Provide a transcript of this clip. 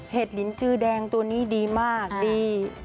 ลินจือแดงตัวนี้ดีมากดี